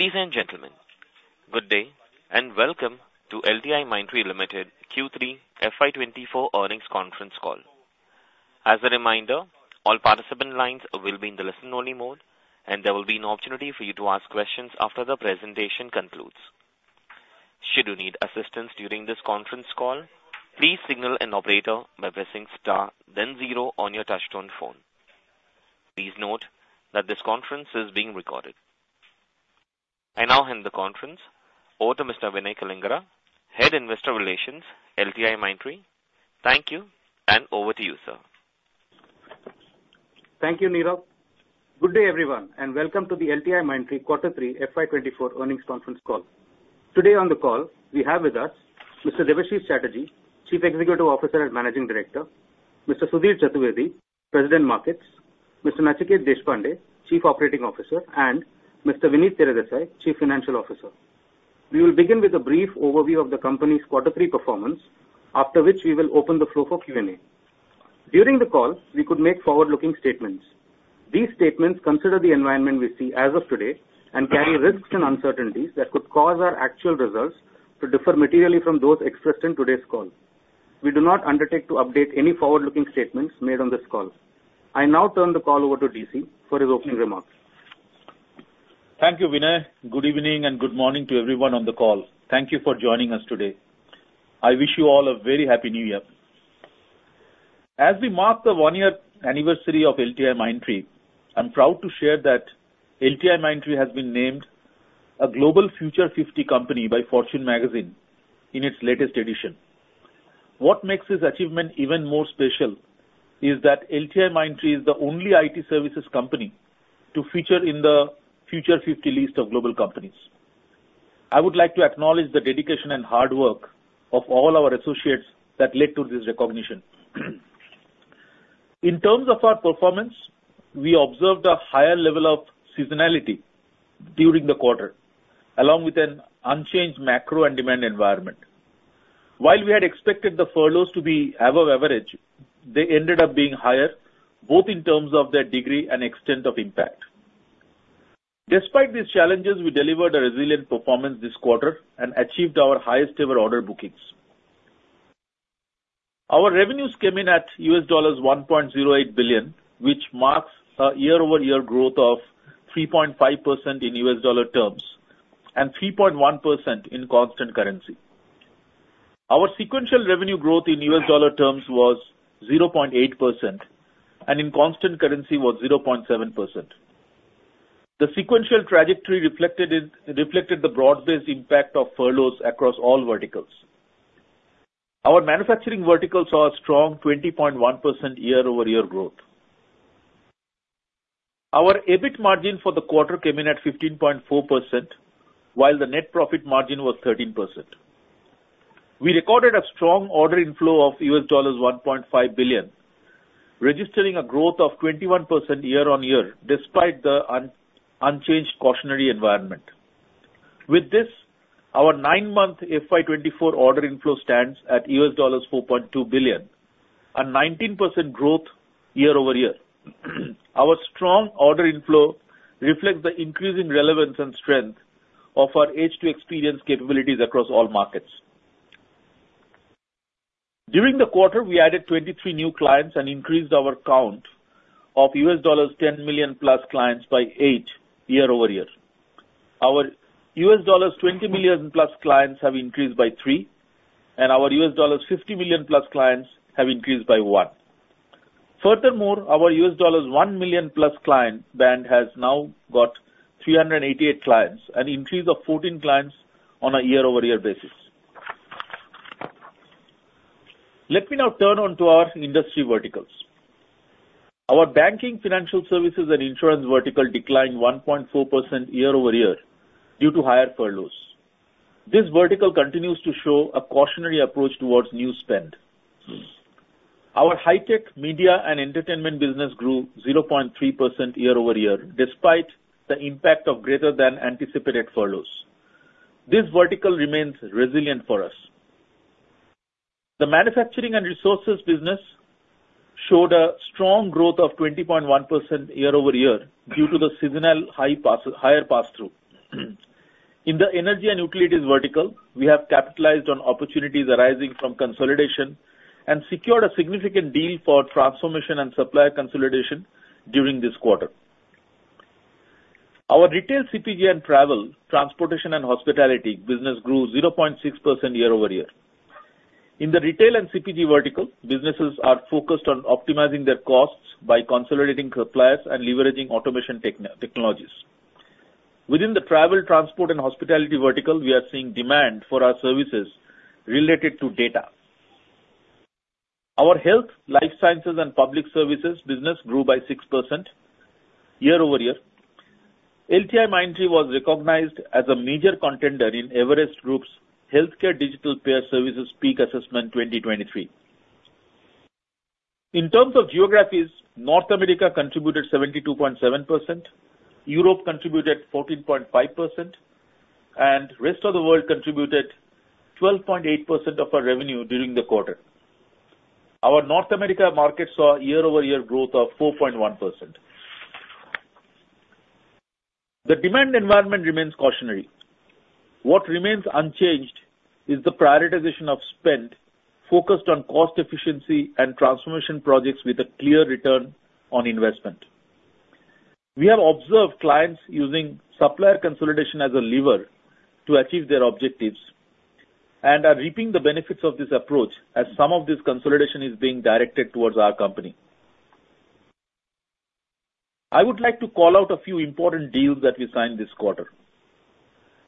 Ladies and gentlemen, good day, and welcome to LTIMindtree Limited Q3 FY 2024 earnings conference call. As a reminder, all participant lines will be in the listen-only mode, and there will be an opportunity for you to ask questions after the presentation concludes. Should you need assistance during this conference call, please signal an operator by pressing star then zero on your touchtone phone. Please note that this conference is being recorded. I now hand the conference over to Mr. Vinay Kalingara, Head, Investor Relations, LTIMindtree. Thank you, and over to you, sir. Thank you, Niraj. Good day, everyone, and welcome to the LTIMindtree Quarter Three FY 2024 earnings conference call. Today on the call, we have with us Mr. Debashis Chatterjee, Chief Executive Officer and Managing Director; Mr. Sudhir Chaturvedi, President Markets; Mr. Nachiket Deshpande, Chief Operating Officer; and Mr. Vinit Teredesai, Chief Financial Officer. We will begin with a brief overview of the company's quarter three performance, after which we will open the floor for Q&A. During the call, we could make forward-looking statements. These statements consider the environment we see as of today and carry risks and uncertainties that could cause our actual results to differ materially from those expressed in today's call. We do not undertake to update any forward-looking statements made on this call. I now turn the call over to DC for his opening remarks. Thank you, Vinay. Good evening, and good morning to everyone on the call. Thank you for joining us today. I wish you all a very happy new year. As we mark the one-year anniversary of LTIMindtree, I'm proud to share that LTIMindtree has been named a Global Future Fifty company by Fortune Magazine in its latest edition. What makes this achievement even more special is that LTIMindtree is the only IT services company to feature in the Future Fifty list of global companies. I would like to acknowledge the dedication and hard work of all our associates that led to this recognition. In terms of our performance, we observed a higher level of seasonality during the quarter, along with an unchanged macro and demand environment. While we had expected the furloughs to be above average, they ended up being higher, both in terms of their degree and extent of impact. Despite these challenges, we delivered a resilient performance this quarter and achieved our highest-ever order bookings. Our revenues came in at $1.08 billion, which marks a year-over-year growth of 3.5% in U.S. dollar terms and 3.1% in constant currency. Our sequential revenue growth in U.S. dollar terms was 0.8% and in constant currency was 0.7%. The sequential trajectory reflected the broad-based impact of furloughs across all verticals. Our manufacturing vertical saw a strong 20.1% year-over-year growth. Our EBIT margin for the quarter came in at 15.4%, while the net profit margin was 13%. We recorded a strong order inflow of $1.5 billion, registering a growth of 21% year-on-year, despite the unchanged cautionary environment. With this, our nine-month FY 2024 order inflow stands at $4.2 billion, a 19% growth year-over-year. Our strong order inflow reflects the increasing relevance and strength of our H2 experience capabilities across all markets. During the quarter, we added 23 new clients and increased our count of $10+ million clients by 8 year-over-year. Our $20+ million clients have increased by 3, and our $50+ million clients have increased by 1. Furthermore, our $1+ million client band has now got 388 clients, an increase of 14 clients on a year-over-year basis. Let me now turn to our industry verticals. Our banking, financial services, and insurance vertical declined 1.4% year-over-year due to higher furloughs. This vertical continues to show a cautionary approach towards new spend. Our high tech, media, and entertainment business grew 0.3% year-over-year, despite the impact of greater than anticipated furloughs. This vertical remains resilient for us. The manufacturing and resources business showed a strong growth of 20.1% year-over-year due to the seasonal higher pass-through. In the energy and utilities vertical, we have capitalized on opportunities arising from consolidation and secured a significant deal for transformation and supplier consolidation during this quarter. Our retail CPG and travel, transportation, and hospitality business grew 0.6% year-over-year. In the retail and CPG vertical, businesses are focused on optimizing their costs by consolidating suppliers and leveraging automation technologies. Within the travel, transport, and hospitality vertical, we are seeing demand for our services related to data. Our health, life sciences, and public services business grew by 6% year-over-year. LTIMindtree was recognized as a major contender in Everest Group's Healthcare Digital Payer Services PEAK Assessment 2023. In terms of geographies, North America contributed 72.7%, Europe contributed 14.5%, and rest of the world contributed 12.8% of our revenue during the quarter.... Our North America market saw year-over-year growth of 4.1%. The demand environment remains cautionary. What remains unchanged is the prioritization of spend, focused on cost efficiency and transformation projects with a clear return on investment. We have observed clients using supplier consolidation as a lever to achieve their objectives, and are reaping the benefits of this approach, as some of this consolidation is being directed towards our company. I would like to call out a few important deals that we signed this quarter.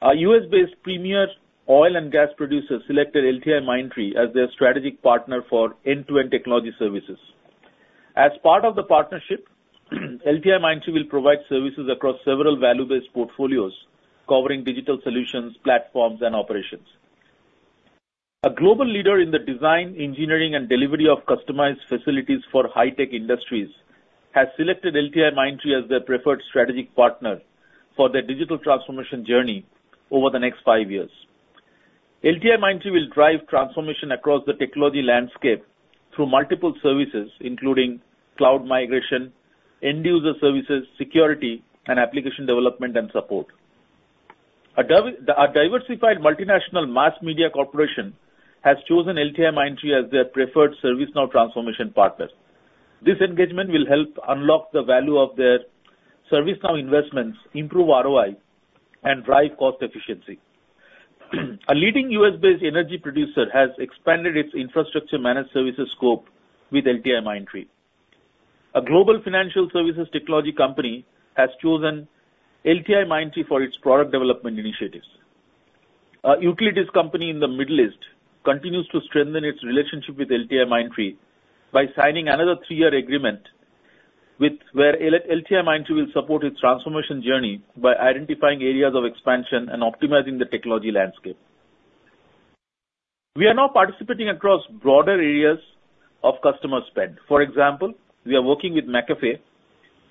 A U.S.-based premier oil and gas producer selected LTIMindtree as their strategic partner for end-to-end technology services. As part of the partnership, LTIMindtree will provide services across several value-based portfolios, covering digital solutions, platforms, and operations. A global leader in the design, engineering, and delivery of customized facilities for high-tech industries has selected LTIMindtree as their preferred strategic partner for their digital transformation journey over the next five years. LTIMindtree will drive transformation across the technology landscape through multiple services, including cloud migration, end-user services, security, and application development and support. A diversified multinational mass media corporation has chosen LTIMindtree as their preferred ServiceNow transformation partner. This engagement will help unlock the value of their ServiceNow investments, improve ROI, and drive cost efficiency. A leading U.S.-based energy producer has expanded its infrastructure managed services scope with LTIMindtree. A global financial services technology company has chosen LTIMindtree for its product development initiatives. A utilities company in the Middle East continues to strengthen its relationship with LTIMindtree by signing another three-year agreement with LTIMindtree, where LTIMindtree will support its transformation journey by identifying areas of expansion and optimizing the technology landscape. We are now participating across broader areas of customer spend. For example, we are working with McAfee,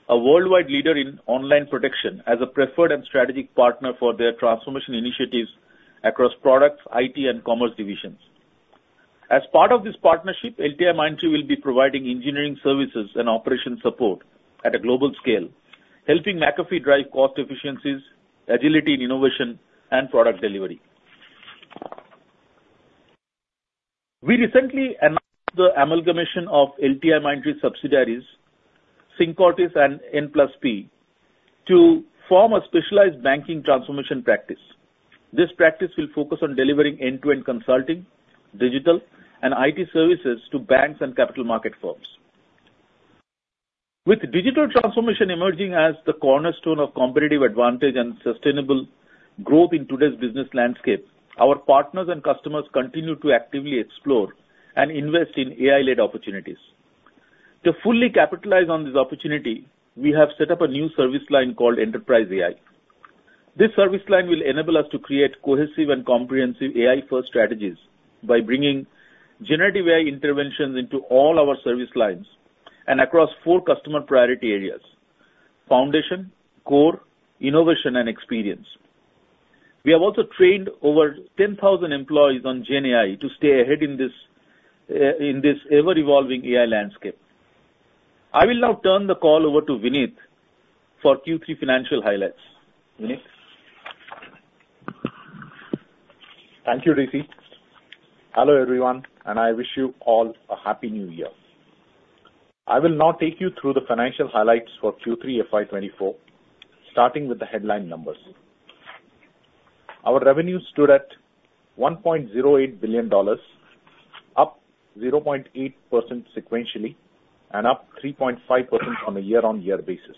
a worldwide leader in online protection, as a preferred and strategic partner for their transformation initiatives across products, IT, and commerce divisions. As part of this partnership, LTIMindtree will be providing engineering services and operation support at a global scale, helping McAfee drive cost efficiencies, agility in innovation, and product delivery. We recently announced the amalgamation of LTIMindtree subsidiaries, Syncordis and N+P, to form a specialized banking transformation practice. This practice will focus on delivering end-to-end consulting, digital, and IT services to banks and capital market firms. With digital transformation emerging as the cornerstone of competitive advantage and sustainable growth in today's business landscape, our partners and customers continue to actively explore and invest in AI-led opportunities. To fully capitalize on this opportunity, we have set up a new service line called Enterprise AI. This service line will enable us to create cohesive and comprehensive AI-first strategies by bringing generative AI interventions into all our service lines, and across four customer priority areas: foundation, core, innovation, and experience. We have also trained over 10,000 employees on GenAI to stay ahead in this, in this ever-evolving AI landscape. I will now turn the call over to Vinit for Q3 financial highlights. Vinit? Thank you, DC. Hello, everyone, and I wish you all a Happy New Year. I will now take you through the financial highlights for Q3 FY 2024, starting with the headline numbers. Our revenue stood at $1.08 billion, up 0.8% sequentially and up 3.5% on a year-over-year basis.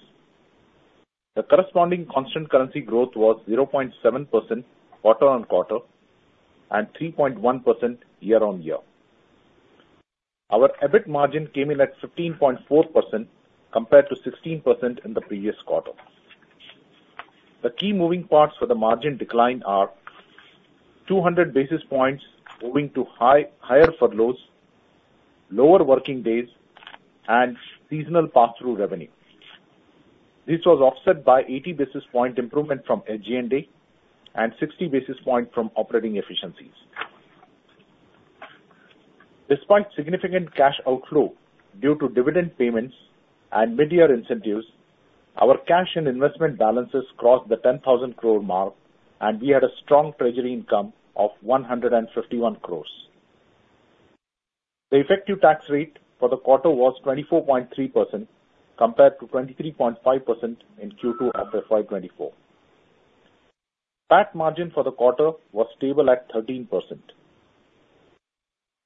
The corresponding constant currency growth was 0.7% quarter-on-quarter and 3.1% year-over-year. Our EBIT margin came in at 15.4%, compared to 16% in the previous quarter. The key moving parts for the margin decline are 200 basis points owing to higher furloughs, lower working days, and seasonal pass-through revenue. This was offset by 80 basis points improvement from SG&A and 60 basis points from operating efficiencies. Despite significant cash outflow due to dividend payments and mid-year incentives, our cash and investment balances crossed the 10,000 crore mark, and we had a strong treasury income of 151 crore. The effective tax rate for the quarter was 24.3%, compared to 23.5% in Q2 of the FY 2024. PAT margin for the quarter was stable at 13%.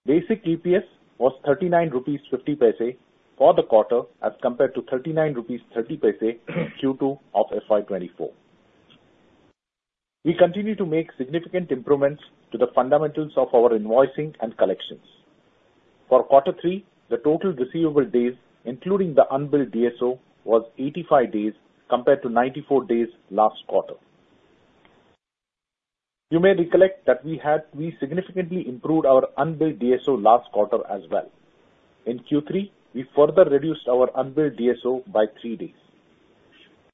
Basic EPS was 39.50 rupees for the quarter, as compared to 39.30 rupees in Q2 of FY 2024. We continue to make significant improvements to the fundamentals of our invoicing and collections. For quarter three, the total receivable days, including the unbilled DSO, was 85 days, compared to 94 days last quarter. You may recollect that we significantly improved our unbilled DSO last quarter as well. In Q3, we further reduced our unbilled DSO by 3 days.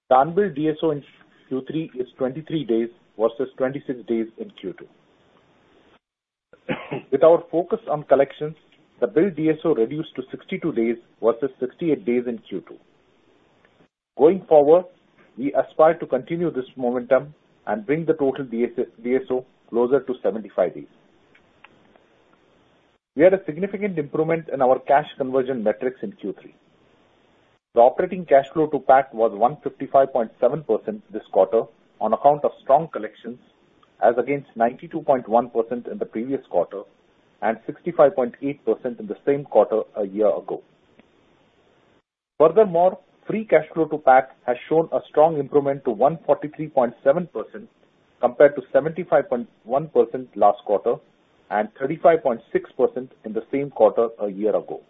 The unbilled DSO in Q3 is 23 days versus 26 days in Q2. With our focus on collections, the billed DSO reduced to 62 days versus 68 days in Q2. Going forward, we aspire to continue this momentum and bring the total DSO closer to 75 days. We had a significant improvement in our cash conversion metrics in Q3. The operating cash flow to PAT was 155.7% this quarter on account of strong collections, as against 92.1% in the previous quarter and 65.8% in the same quarter a year ago. Furthermore, free cash flow to PAT has shown a strong improvement to 143.7%, compared to 75.1% last quarter and 35.6% in the same quarter a year ago.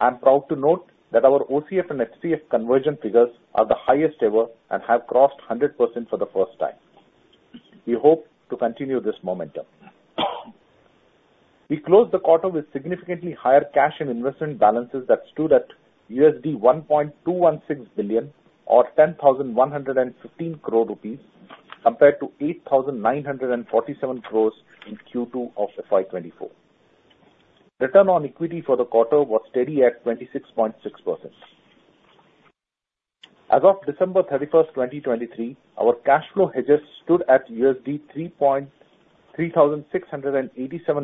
I'm proud to note that our OCF and FCF conversion figures are the highest ever and have crossed 100% for the first time. We hope to continue this momentum. We closed the quarter with significantly higher cash and investment balances that stood at $1.216 billion or 10,115 crore rupees, compared to 8,947 crore in Q2 of FY 2024. Return on equity for the quarter was steady at 26.6%. As of December 31st, 2023, our cash flow hedges stood at $3.3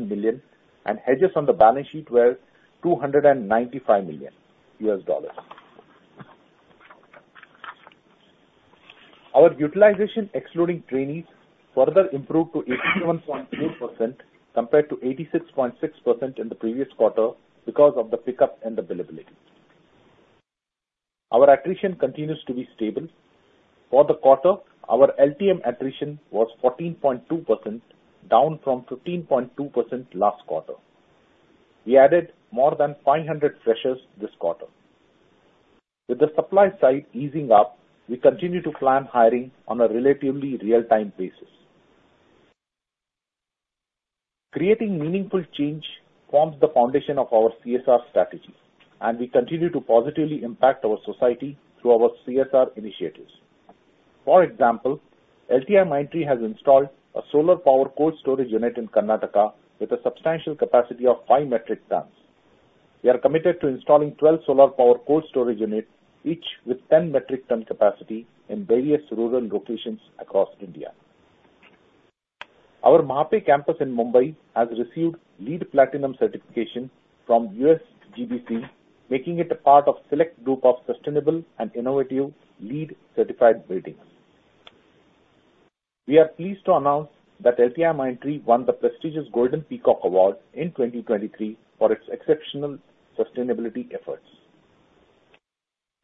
billion, and hedges on the balance sheet were $295 million. Our utilization, excluding trainees, further improved to 81.2%, compared to 86.6% in the previous quarter because of the pickup and availability. Our attrition continues to be stable. For the quarter, our LTM attrition was 14.2%, down from 15.2% last quarter. We added more than 500 freshers this quarter. With the supply side easing up, we continue to plan hiring on a relatively real-time basis. Creating meaningful change forms the foundation of our CSR strategy, and we continue to positively impact our society through our CSR initiatives. For example, LTIMindtree has installed a solar power cold storage unit in Karnataka with a substantial capacity of 5 metric tons. We are committed to installing 12 solar power cold storage units, each with 10 metric ton capacity, in various rural locations across India. Our Mahape campus in Mumbai has received LEED Platinum certification from USGBC, making it a part of select group of sustainable and innovative LEED-certified buildings. We are pleased to announce that LTIMindtree won the prestigious Golden Peacock Award in 2023 for its exceptional sustainability efforts.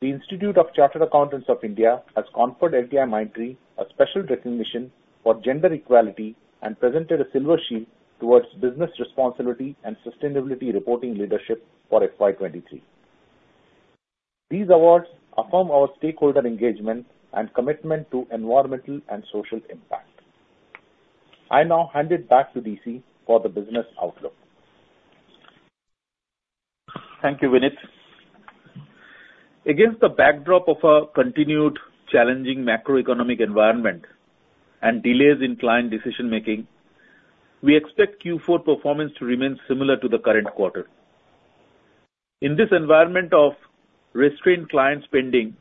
The Institute of Chartered Accountants of India has conferred LTIMindtree a special recognition for gender equality and presented a silver shield towards business responsibility and sustainability reporting leadership for FY 2023. These awards affirm our stakeholder engagement and commitment to environmental and social impact. I now hand it back to DC for the business outlook. Thank you, Vinit. Against the backdrop of a continued challenging macroeconomic environment and delays in client decision-making, we expect Q4 performance to remain similar to the current quarter. In this environment of restrained client spending,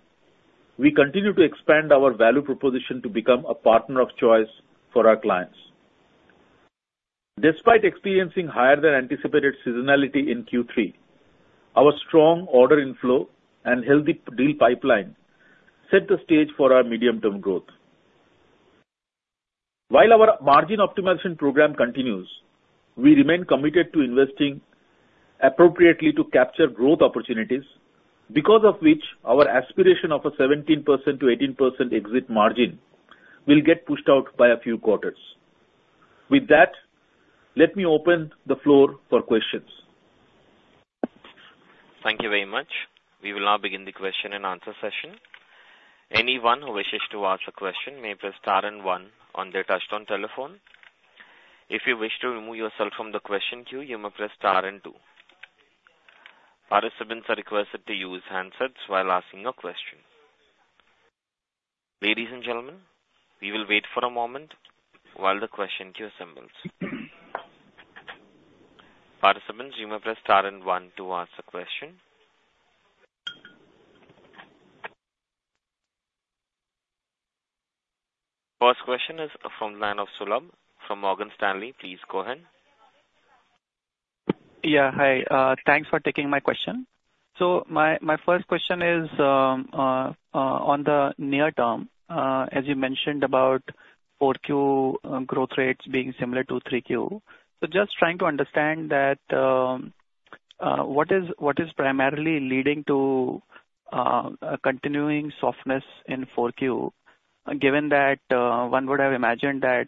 we continue to expand our value proposition to become a partner of choice for our clients. Despite experiencing higher than anticipated seasonality in Q3, our strong order inflow and healthy deal pipeline set the stage for our medium-term growth. While our margin optimization program continues, we remain committed to investing appropriately to capture growth opportunities, because of which our aspiration of a 17%-18% exit margin will get pushed out by a few quarters. With that, let me open the floor for questions. Thank you very much. We will now begin the question-and-answer session. Anyone who wishes to ask a question may press star and one on their touchtone telephone. If you wish to remove yourself from the question queue, you may press star and two. Participants are requested to use handsets while asking a question. Ladies and gentlemen, we will wait for a moment while the question queue assembles. Participants, you may press star and one to ask a question. First question is from the line of Sulabh from Morgan Stanley. Please go ahead. Yeah. Hi, thanks for taking my question. So my first question is, on the near term, as you mentioned about 4Q, growth rates being similar to 3Q. So just trying to understand that, what is primarily leading to, a continuing softness in 4Q, given that, one would have imagined that,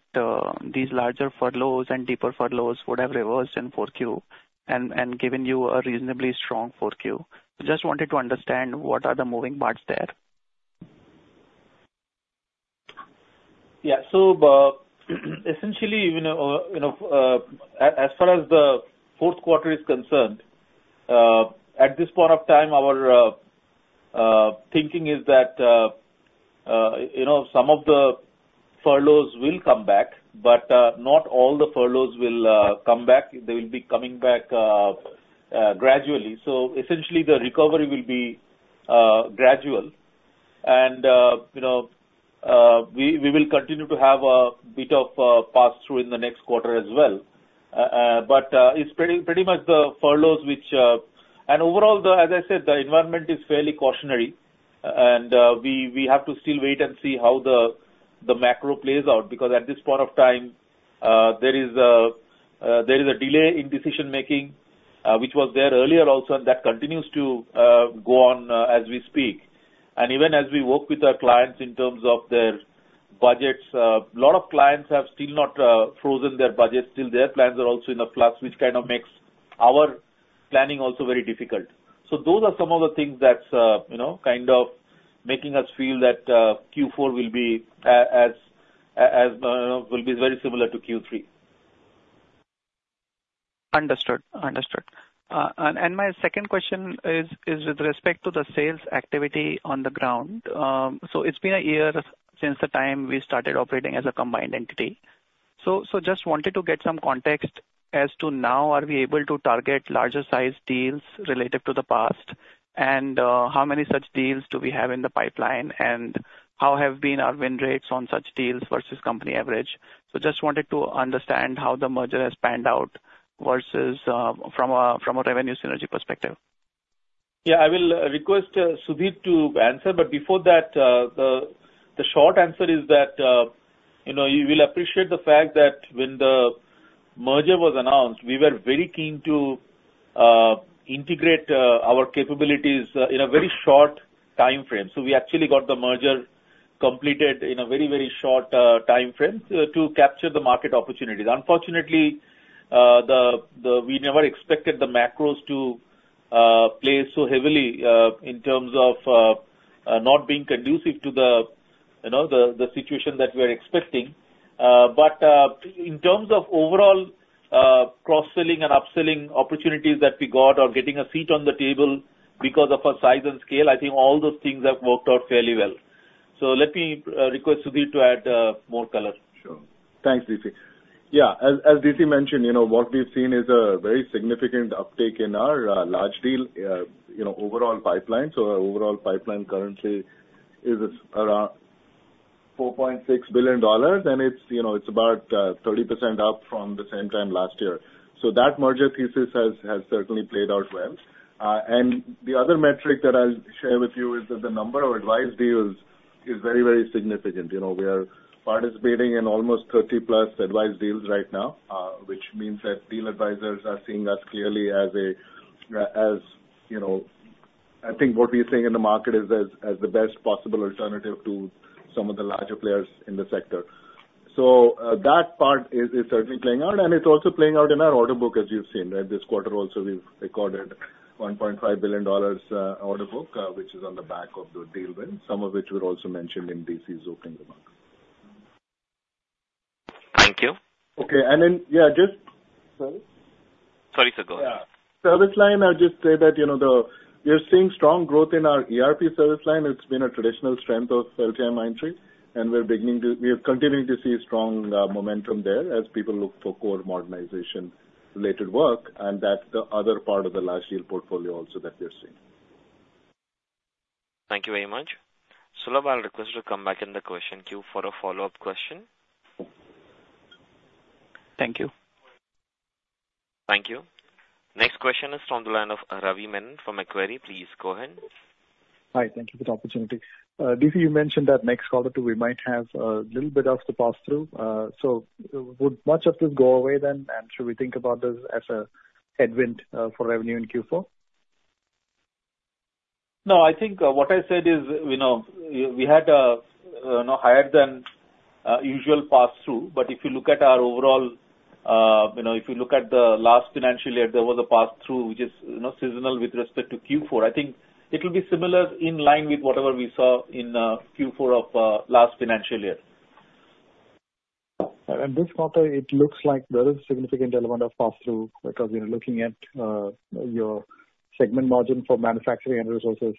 these larger furloughs and deeper furloughs would have reversed in 4Q and given you a reasonably strong 4Q? So just wanted to understand, what are the moving parts there?... Yeah. So, essentially, you know, you know, as far as the fourth quarter is concerned, at this point of time, our thinking is that, you know, some of the furloughs will come back, but, not all the furloughs will come back. They will be coming back gradually. So essentially, the recovery will be gradual. And, you know, we, we will continue to have a bit of pass-through in the next quarter as well. But, it's pretty, pretty much the furloughs which... And overall, the—as I said, the environment is fairly cautionary, and, we, we have to still wait and see how the, the macro plays out. Because at this point of time, there is a delay in decision-making, which was there earlier also, and that continues to go on as we speak. Even as we work with our clients in terms of their budgets, a lot of clients have still not frozen their budgets. Still, their plans are also in a flux, which kind of makes our planning also very difficult. So those are some of the things that's, you know, kind of making us feel that Q4 will be very similar to Q3. Understood. Understood. And my second question is with respect to the sales activity on the ground. So it's been a year since the time we started operating as a combined entity. So just wanted to get some context as to now, are we able to target larger-sized deals related to the past? And how many such deals do we have in the pipeline, and how have been our win rates on such deals versus company average? So just wanted to understand how the merger has panned out versus from a revenue synergy perspective. Yeah, I will request Sudhir to answer. But before that, the short answer is that, you know, you will appreciate the fact that when the merger was announced, we were very keen to integrate our capabilities in a very short timeframe. So we actually got the merger completed in a very, very short timeframe to capture the market opportunities. Unfortunately, we never expected the macros to play so heavily in terms of not being conducive to the, you know, the situation that we're expecting. But in terms of overall cross-selling and upselling opportunities that we got or getting a seat on the table because of our size and scale, I think all those things have worked out fairly well. Let me request Sudhir to add more color. Sure. Thanks, DC. Yeah, as DC mentioned, you know, what we've seen is a very significant uptake in our large deal you know overall pipeline. So our overall pipeline currently is around $4.6 billion, and it's, you know, it's about 30% up from the same time last year. So that merger thesis has certainly played out well. And the other metric that I'll share with you is that the number of advised deals is very, very significant. You know, we are participating in almost 30+ advised deals right now, which means that deal advisors are seeing us clearly as a you know... I think what we are seeing in the market is as the best possible alternative to some of the larger players in the sector. So, that part is certainly playing out, and it's also playing out in our order book, as you've seen, right? This quarter also, we've recorded $1.5 billion order book, which is on the back of the deal win, some of which were also mentioned in DC's opening remarks. Thank you. Okay. Then, yeah, just... Sorry? Sorry, sir. Go ahead. Yeah. Service line, I'll just say that, you know, we are seeing strong growth in our ERP service line. It's been a traditional strength of LTIMindtree, and we are continuing to see strong momentum there as people look for core modernization-related work, and that's the other part of the large deal portfolio also that we are seeing. Thank you very much. Sulabh, I'll request you to come back in the question queue for a follow-up question. Thank you. Thank you. Next question is from the line of Ravi Menon from Macquarie. Please go ahead. Hi. Thank you for the opportunity. DC, you mentioned that next quarter, too, we might have a little bit of the pass-through. So would much of this go away then, and should we think about this as a headwind for revenue in Q4? No, I think, what I said is, you know, we, we had a, you know, higher than usual pass-through. But if you look at our overall, you know, if you look at the last financial year, there was a pass-through, which is, you know, seasonal with respect to Q4. I think it will be similar in line with whatever we saw in, Q4 of, last financial year. This quarter, it looks like there is a significant element of pass-through because we are looking at your segment margin for manufacturing and resources.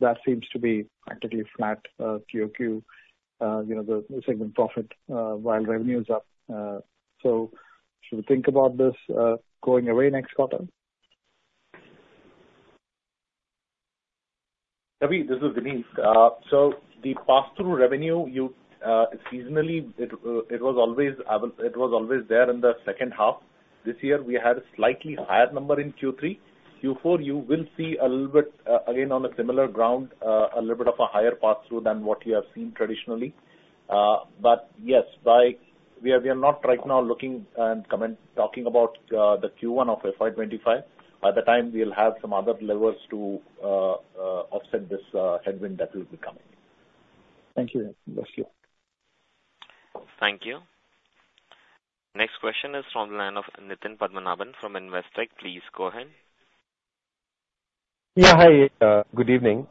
That seems to be practically flat, QOQ, you know, the segment profit while revenue is up. So should we think about this going away next quarter? Ravi, this is Vinit. So the pass-through revenue, you, seasonally, it, it was always there in the second half. This year we had a slightly higher number in Q3. Q4, you will see a little bit, again, on a similar ground, a little bit of a higher pass-through than what you have seen traditionally. But yes, by... We are, we are not right now looking and comment, talking about the Q1 of FY 2025. By that time, we'll have some other levers to offset this headwind that will be coming. Thank you. Bless you. Thank you. Next question is from the line of Nitin Padmanabhan from Investec. Please go ahead.... Yeah. Hi, good evening.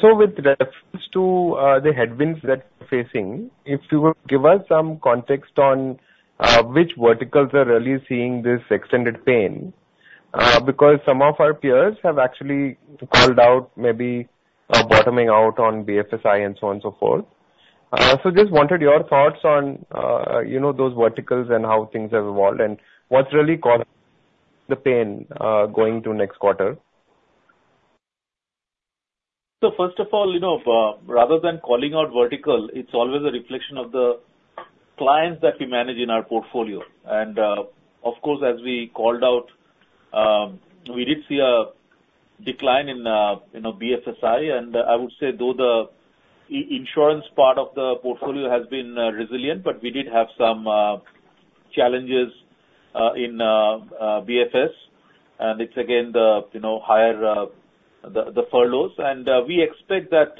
So with reference to the headwinds that you're facing, if you would give us some context on which verticals are really seeing this extended pain, because some of our peers have actually called out maybe a bottoming out on BFSI and so on and so forth. So just wanted your thoughts on you know those verticals and how things have evolved, and what's really causing the pain going to next quarter. So first of all, you know, rather than calling out vertical, it's always a reflection of the clients that we manage in our portfolio. And, of course, as we called out, we did see a decline in, you know, BFSI. And I would say, though, the insurance part of the portfolio has been resilient, but we did have some challenges in BFS, and it's again, you know, the higher the furloughs. And, we expect that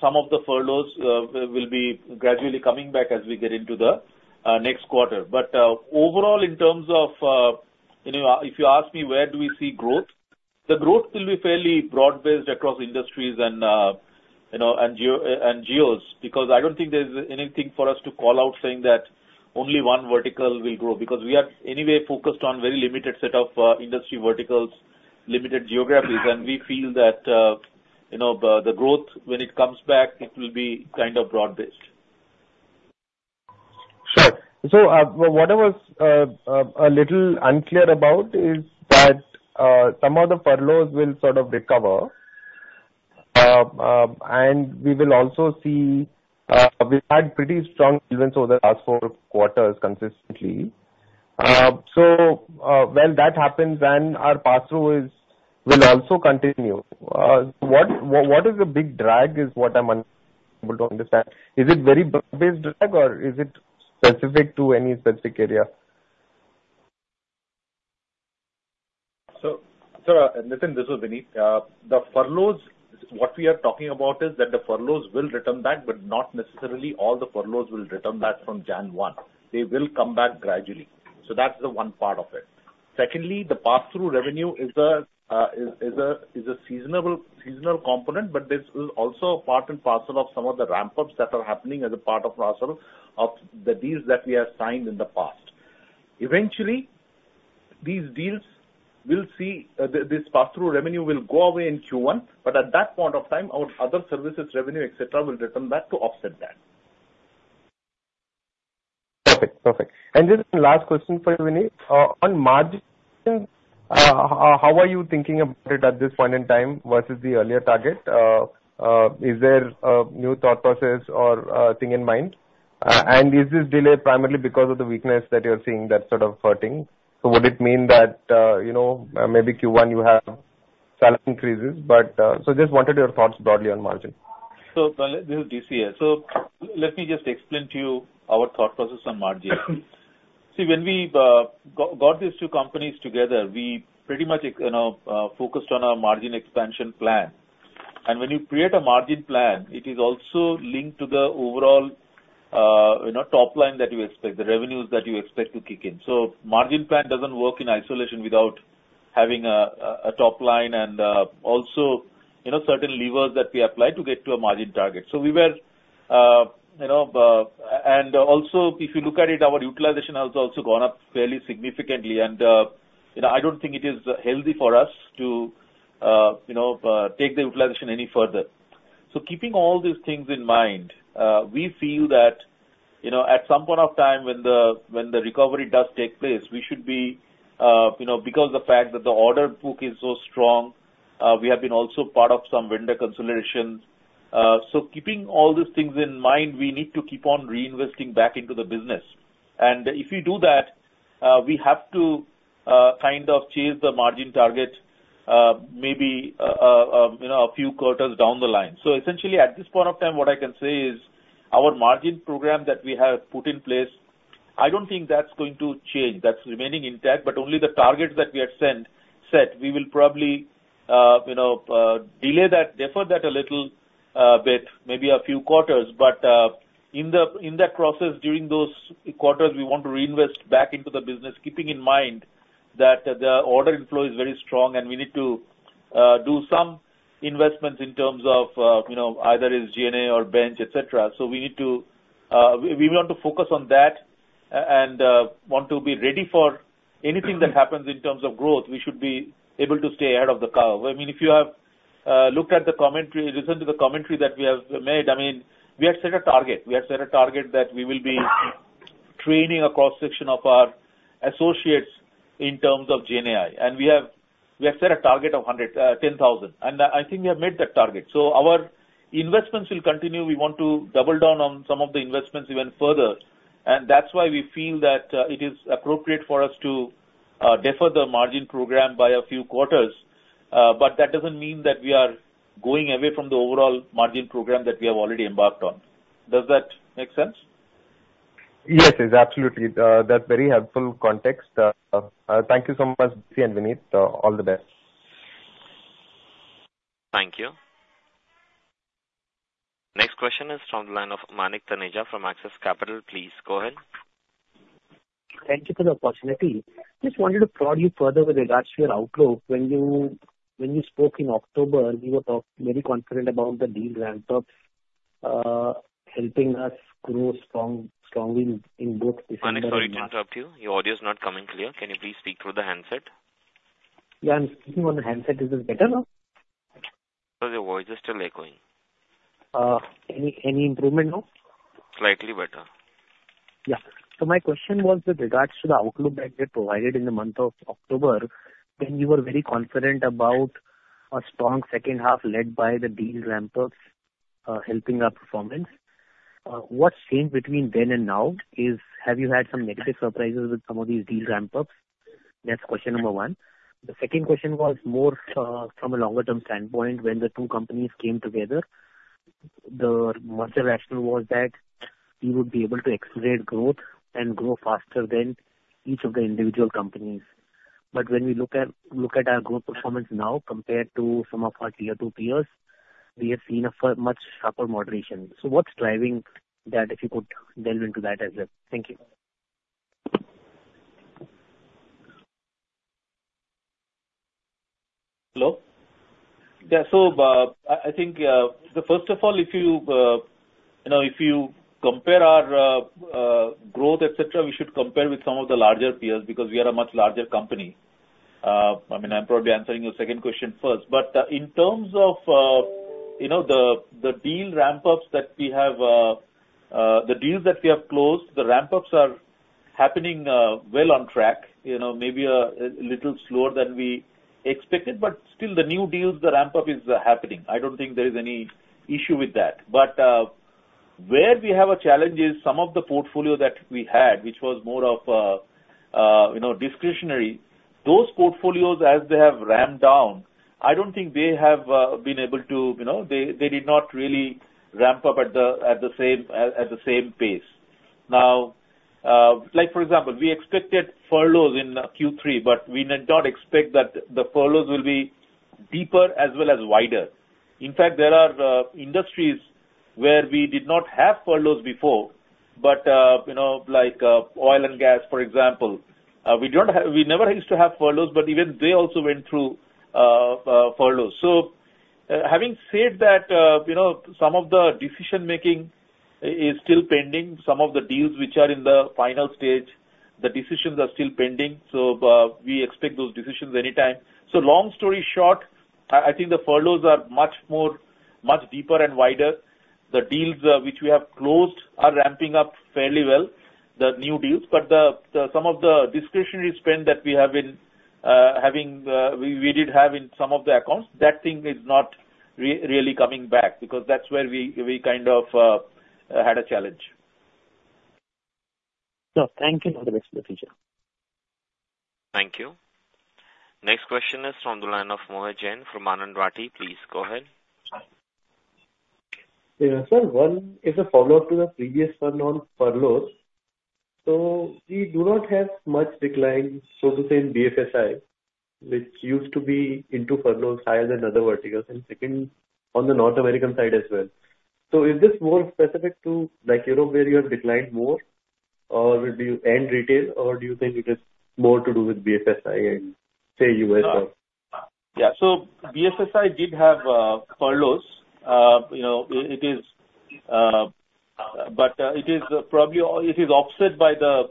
some of the furloughs will be gradually coming back as we get into the next quarter. But, overall, in terms of, you know, if you ask me, where do we see growth? The growth will be fairly broad-based across industries and, you know, and geos, because I don't think there's anything for us to call out, saying that only one vertical will grow, because we are anyway focused on very limited set of industry verticals, limited geographies. We feel that, you know, the growth, when it comes back, it will be kind of broad-based. Sure. So, what I was a little unclear about is that some of the furloughs will sort of recover, and we will also see we've had pretty strong even so the last four quarters consistently. So, when that happens and our pass-through is, will also continue. What is the big drag, is what I'm unable to understand. Is it very broad-based drag, or is it specific to any specific area? So, sir, Nitin, this is Vinit. The furloughs, what we are talking about is that the furloughs will return back, but not necessarily all the furloughs will return back from January 1. They will come back gradually. So that's the one part of it. Secondly, the pass-through revenue is a seasonal component, but this is also a part and parcel of some of the ramp-ups that are happening as a part and parcel of the deals that we have signed in the past. Eventually, these deals will see this pass-through revenue will go away in Q1, but at that point of time, our other services revenue, et cetera, will return back to offset that. Perfect. Perfect. And just the last question for you, Vinit. On margin, how are you thinking about it at this point in time versus the earlier target? Is there a new thought process or a thing in mind? And is this delay primarily because of the weakness that you're seeing, that's sort of hurting? So would it mean that, you know, maybe Q1 you have salary increases, but, so just wanted your thoughts broadly on margin. This is DC here. Let me just explain to you our thought process on margin. Mm-hmm. See, when we got these two companies together, we pretty much, you know, focused on our margin expansion plan. And when you create a margin plan, it is also linked to the overall, you know, top line that you expect, the revenues that you expect to kick in. So margin plan doesn't work in isolation without having a top line and, also, you know, certain levers that we apply to get to a margin target. So we were, you know... And also, if you look at it, our utilization has also gone up fairly significantly, and, you know, I don't think it is healthy for us to, you know, take the utilization any further. So keeping all these things in mind, we feel that, you know, at some point of time, when the, when the recovery does take place, we should be, you know, because the fact that the order book is so strong, we have been also part of some vendor consolidations. So keeping all these things in mind, we need to keep on reinvesting back into the business. And if we do that, we have to, kind of chase the margin target, maybe, you know, a few quarters down the line. So essentially, at this point of time, what I can say is, our margin program that we have put in place, I don't think that's going to change. That's remaining intact, but only the targets that we have set, we will probably, you know, delay that, defer that a little bit, maybe a few quarters. But, in that process, during those quarters, we want to reinvest back into the business, keeping in mind that the order inflow is very strong and we need to do some investments in terms of, you know, either SG&A or bench, et cetera. So we need to, we want to focus on that and want to be ready for anything that happens in terms of growth. We should be able to stay ahead of the curve. I mean, if you have looked at the commentary, listened to the commentary that we have made, I mean, we have set a target. We have set a target that we will be training a cross-section of our associates in terms of GenAI, and we have, we have set a target of 110,000, and I think we have met that target. So our investments will continue. We want to double down on some of the investments even further, and that's why we feel that, it is appropriate for us to, defer the margin program by a few quarters. But that doesn't mean that we are going away from the overall margin program that we have already embarked on. Does that make sense? Yes, it's absolutely. That's very helpful context. Thank you so much, DC and Vinit. All the best. Thank you. The question is from the line of Manik Taneja from Axis Capital. Please go ahead. Thank you for the opportunity. Just wanted to prod you further with regards to your outlook. When you, when you spoke in October, you were very confident about the deal ramp up, helping us grow strongly in both- Manik, sorry to interrupt you. Your audio is not coming clear. Can you please speak through the handset? Yeah, I'm speaking on the handset. Is this better now? No, your voice is still echoing. Any improvement now? Slightly better. Yeah. So my question was with regards to the outlook that you provided in the month of October, when you were very confident about a strong second half led by the deal ramp ups, helping our performance. What's changed between then and now is, have you had some negative surprises with some of these deal ramp ups? That's question number one. The second question was more, from a longer-term standpoint. When the two companies came together, the merger rationale was that you would be able to accelerate growth and grow faster than each of the individual companies. But when we look at our growth performance now compared to some of our tier two peers, we have seen a far much sharper moderation. So what's driving that, if you could delve into that as well? Thank you. Hello? Yeah, so, I, I think, the first of all, if you, you know, if you compare our, growth, et cetera, we should compare with some of the larger peers, because we are a much larger company. I mean, I'm probably answering your second question first, but, in terms of, you know, the deal ramp ups that we have, the deals that we have closed, the ramp ups are happening, well on track, you know, maybe a little slower than we expected, but still the new deals, the ramp up is happening. I don't think there is any issue with that. But, where we have a challenge is some of the portfolio that we had, which was more of, you know, discretionary. Those portfolios, as they have ramped down, I don't think they have been able to, you know, they did not really ramp up at the same pace. Now, like, for example, we expected furloughs in Q3, but we did not expect that the furloughs will be deeper as well as wider. In fact, there are industries where we did not have furloughs before, but, you know, like, oil and gas, for example, we don't have... We never used to have furloughs, but even they also went through furloughs. So, having said that, you know, some of the decision-making is still pending. Some of the deals which are in the final stage, the decisions are still pending, so, we expect those decisions anytime. So long story short, I think the furloughs are much more, much deeper and wider. The deals which we have closed are ramping up fairly well, the new deals, but some of the discretionary spend that we have been having we did have in some of the accounts, that thing is not really coming back, because that's where we kind of had a challenge. Sure. Thank you, and have a rest of the day. Thank you. Next question is from the line of Mohit Jain from Anand Rathi. Please go ahead. Yeah. Sir, one is a follow-up to the previous one on furloughs. So we do not have much decline, so to say, in BFSI, which used to be into furloughs higher than other verticals, and second, on the North American side as well. So is this more specific to, like, Europe, where you have declined more, or will you end retail, or do you think it is more to do with BFSI and, say, U.S. as well? Yeah. So BFSI did have furloughs. You know, it is. But it is probably offset by the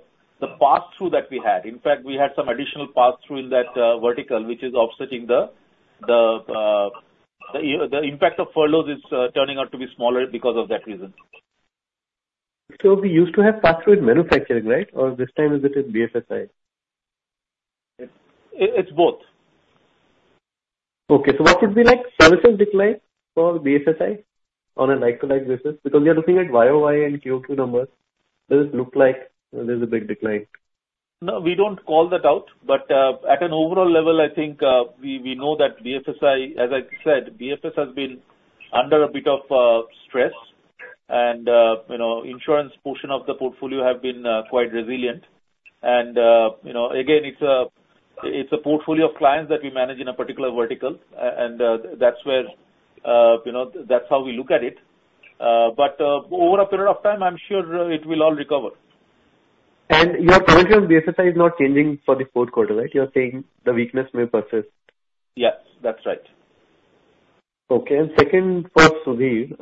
pass-through that we had. In fact, we had some additional pass-through in that vertical, which is offsetting the, you know, the impact of furloughs is turning out to be smaller because of that reason. So we used to have pass-through in manufacturing, right? Or this time is it in BFSI? It's both. Okay. So what would be, like, services decline for BFSI on a like-to-like basis? Because we are looking at YoY and QoQ numbers. Does it look like there's a big decline? No, we don't call that out, but at an overall level, I think we know that BFSI, as I said, BFSI has been under a bit of stress and you know, insurance portion of the portfolio have been quite resilient. And you know, again, it's a portfolio of clients that we manage in a particular vertical and that's where you know, that's how we look at it. But over a period of time, I'm sure it will all recover. Your projection of BFSI is not changing for the fourth quarter, right? You're saying the weakness may persist. Yes, that's right. Okay. Second, for Sudhir.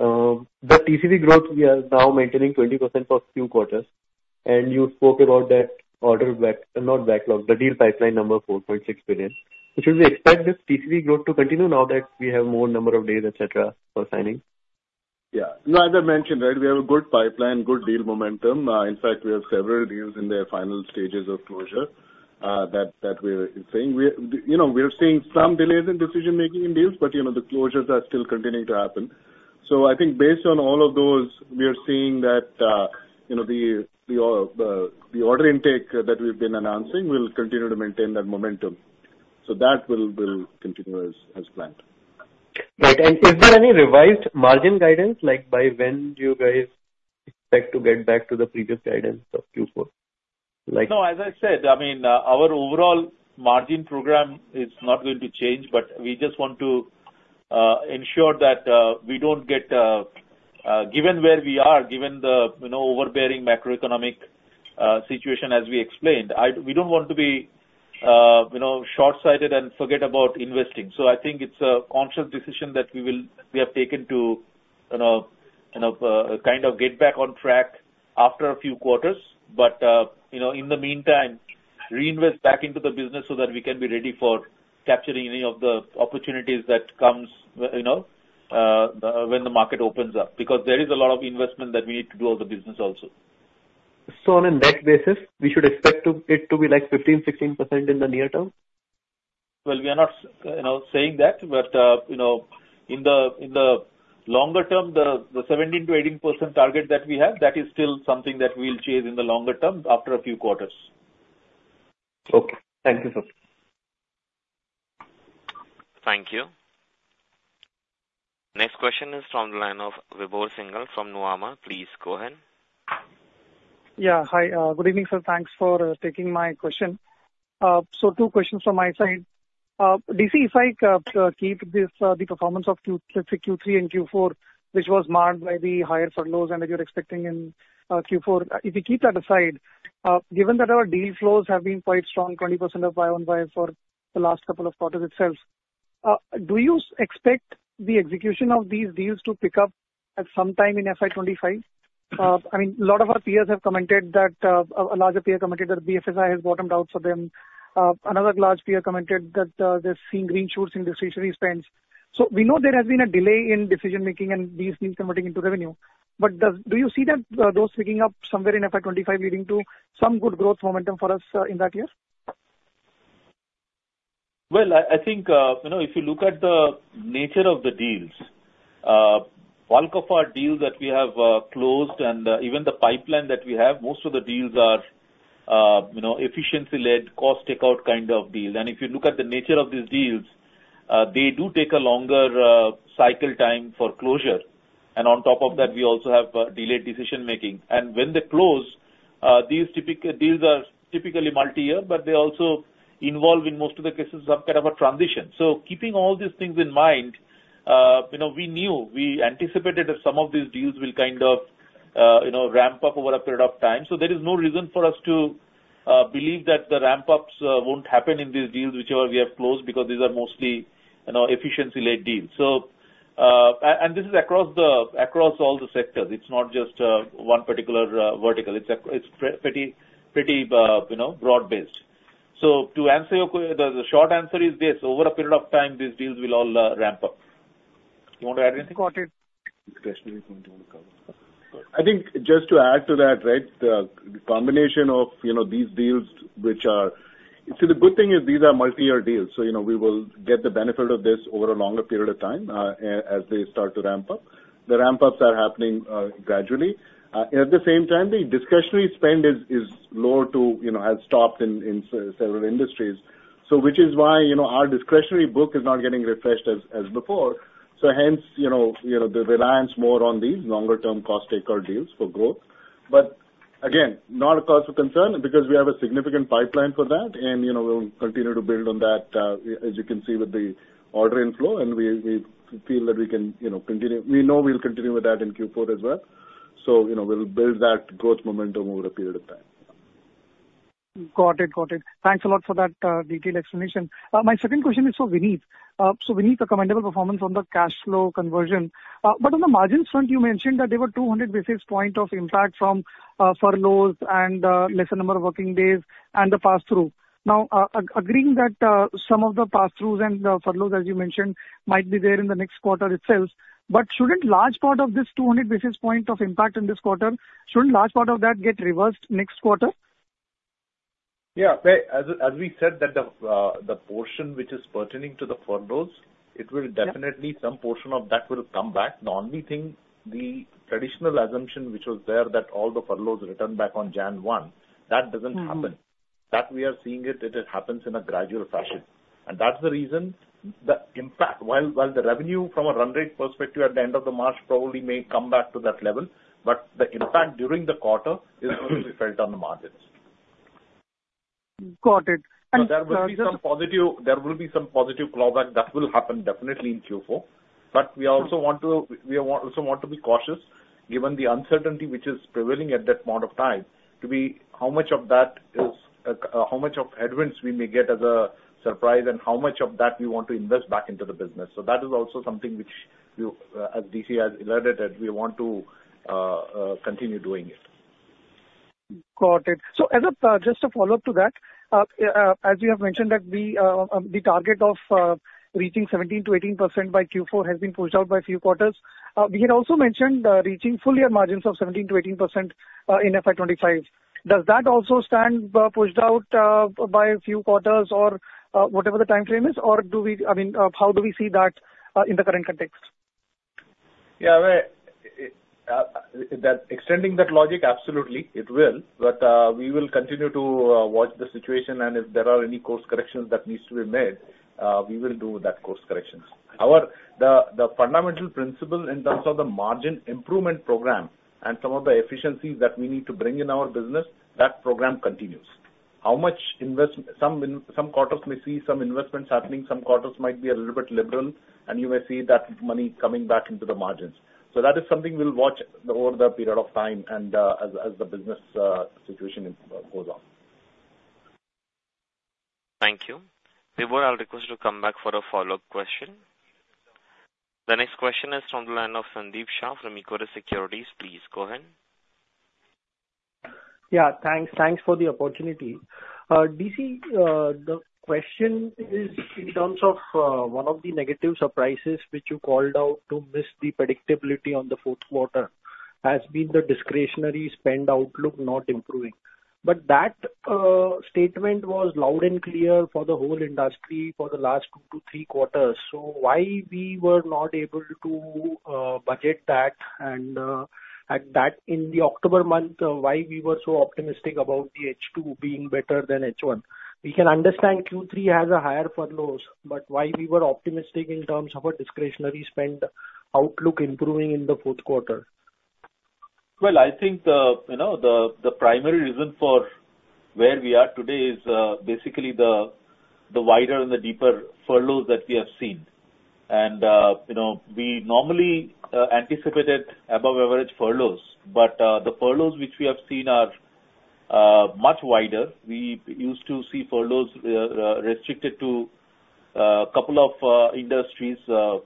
The TCV growth, we are now maintaining 20% for few quarters, and you spoke about that order, not backlog, the deal pipeline number, $4.6 billion. Should we expect this TCV growth to continue now that we have more number of deals, et cetera, for signing? Yeah. No, as I mentioned, right, we have a good pipeline, good deal momentum. In fact, we have several deals in their final stages of closure, that we're seeing. We're, you know, seeing some delays in decision-making in deals, but, you know, the closures are still continuing to happen. So I think based on all of those, we are seeing that, you know, the order intake that we've been announcing will continue to maintain that momentum. So that will continue as planned. Right. Is there any revised margin guidance, like by when do you guys expect to get back to the previous guidance of Q4? No, as I said, I mean, our overall margin program is not going to change, but we just want to ensure that we don't get given where we are, given the, you know, overbearing macroeconomic situation as we explained, we don't want to be, you know, short-sighted and forget about investing. So I think it's a conscious decision that we will, we have taken to, you know, kind of, kind of get back on track after a few quarters. But, you know, in the meantime, reinvest back into the business so that we can be ready for capturing any of the opportunities that comes, you know, when the market opens up, because there is a lot of investment that we need to do on the business also. On a net basis, we should expect it to be like 15%-16% in the near term? Well, we are not, you know, saying that, but, you know, in the longer term, the 17%-18% target that we have, that is still something that we will chase in the longer term after a few quarters. Okay. Thank you, sir. Thank you. Next question is from the line of Vibhor Singhal from Nuvama. Please go ahead. Yeah. Hi, good evening, sir. Thanks for taking my question. So two questions from my side. DC, if I keep this, the performance of Q, let's say Q3 and Q4, which was marred by the higher furloughs, and that you're expecting in Q4. If you keep that aside, given that our deal flows have been quite strong, 20% YoY for the last couple of quarters itself, do you expect the execution of these deals to pick up at some time in FY 2025? I mean, a lot of our peers have commented that, a larger peer commented that BFSI has bottomed out for them. Another large peer commented that, they're seeing green shoots in discretionary spends. So we know there has been a delay in decision-making and these deals converting into revenue, but do you see that those picking up somewhere in FY 2025, leading to some good growth momentum for us, in that year? Well, I think, you know, if you look at the nature of the deals, bulk of our deals that we have closed and even the pipeline that we have, most of the deals are, you know, efficiency-led, cost takeout kind of deals. And if you look at the nature of these deals, they do take a longer cycle time for closure. And on top of that, we also have delayed decision-making. And when they close, these typical deals are typically multi-year, but they also involve, in most of the cases, some kind of a transition. So keeping all these things in mind, you know, we knew, we anticipated that some of these deals will kind of, you know, ramp up over a period of time. So there is no reason for us to believe that the ramp-ups won't happen in these deals, whichever we have closed, because these are mostly, you know, efficiency-led deals. So this is across all the sectors. It's not just one particular vertical. It's pretty, pretty, you know, broad-based. So to answer your question: The short answer is this: over a period of time, these deals will all ramp up. You want to add anything? Got it. I think just to add to that, right, the combination of, you know, these deals which are... So the good thing is these are multi-year deals, so, you know, we will get the benefit of this over a longer period of time, as they start to ramp up. The ramp-ups are happening, gradually. At the same time, the discretionary spend is lower to, you know, has stopped in several industries. So which is why, you know, our discretionary book is not getting refreshed as before. So hence, you know, you know, the reliance more on these longer-term cost takeout deals for growth. But again, not a cause for concern, because we have a significant pipeline for that, and, you know, we'll continue to build on that, as you can see with the order inflow, and we, we feel that we can, you know, continue. We know we'll continue with that in Q4 as well. So, you know, we'll build that growth momentum over a period of time. Got it. Got it. Thanks a lot for that, detailed explanation. My second question is for Vinit. So, Vinit, a commendable performance on the cash flow conversion. But on the margin front, you mentioned that there were 200 basis point of impact from, furloughs and, lesser number of working days and the pass-through. Now, agreeing that, some of the pass-throughs and the furloughs, as you mentioned, might be there in the next quarter itself, but shouldn't large part of this 200 basis point of impact in this quarter, shouldn't large part of that get reversed next quarter? Yeah. As we said, the portion which is pertaining to the furloughs, it will definitely- Yeah. Some portion of that will come back. The only thing, the traditional assumption, which was there, that all the furloughs return back on January 1, that doesn't happen. Mm-hmm. That we are seeing it, it happens in a gradual fashion, and that's the reason the impact, while, while the revenue from a run rate perspective at the end of the March probably may come back to that level, but the impact during the quarter is going to be felt on the margins. Got it. There will be some positive, there will be some positive clawback that will happen definitely in Q4. But we also want to, we also want to be cautious, given the uncertainty which is prevailing at that point of time, to be how much of that is, how much of headwinds we may get as a surprise and how much of that we want to invest back into the business. So that is also something which you, as DC has alerted, that we want to, continue doing it. Got it. So as a just a follow-up to that, as you have mentioned, that the target of reaching 17%-18% by Q4 has been pushed out by a few quarters. We had also mentioned reaching full year margins of 17%-18% in FY 2025. Does that also stand pushed out by a few quarters or whatever the time frame is? Or do we-- I mean, how do we see that in the current context? Yeah, extending that logic, absolutely, it will. But we will continue to watch the situation, and if there are any course corrections that needs to be made, we will do that course corrections. Our... The fundamental principle in terms of the margin improvement program and some of the efficiencies that we need to bring in our business, that program continues. Some quarters may see some investments happening, some quarters might be a little bit liberal, and you may see that money coming back into the margins. So that is something we'll watch over the period of time and, as the business situation goes on. Thank you. Vibhor, I'll request you to come back for a follow-up question. The next question is from the line of Sandeep Shah from Equirus Securities. Please go ahead. Yeah, thanks. Thanks for the opportunity. DC, the question is in terms of one of the negative surprises which you called out to miss the predictability on the fourth quarter, has been the discretionary spend outlook not improving. But that statement was loud and clear for the whole industry for the last two to three quarters. So why we were not able to budget that, and at that in the October month, why we were so optimistic about the H2 being better than H1? We can understand Q3 has a higher furloughs, but why we were optimistic in terms of a discretionary spend outlook improving in the fourth quarter? Well, I think the, you know, the, the primary reason for where we are today is, basically the, the wider and the deeper furloughs that we have seen. And, you know, we normally anticipated above average furloughs, but the furloughs which we have seen are much wider. We used to see furloughs restricted to couple of industries